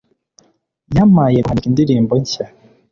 yampaye guhanika indirimbo nshya